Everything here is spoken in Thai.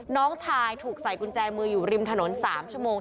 น้องชายถูกใส่กุญแจมืออยู่ริมถนน๓ชั่วโมง